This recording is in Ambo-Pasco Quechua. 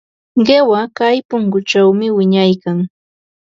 Qiwa kay punkućhaw wiñaykan.